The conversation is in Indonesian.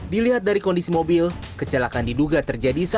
dilihat dari kondisi mobil kecelakaan diduga terjadi saat mobil melaju